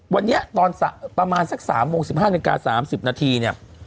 วันนี้ตอนประมาณสัก๓โมง๑๕นาที๓๐นาทีเนี่ย